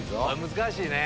難しいね。